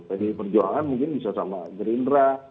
pdi perjuangan mungkin bisa sama gerindra